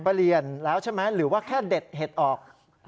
เปลี่ยนแล้วใช่ไหมหรือว่าแค่เด็ดเห็ดออก